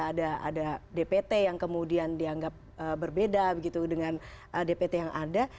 ada dpt yang kemudian dianggap berbeda begitu dengan dpt yang ada